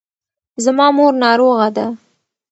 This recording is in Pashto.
زما مور ناروغه ده.